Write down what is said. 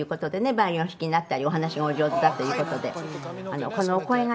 バイオリンお弾きになったりお話がお上手だという事で。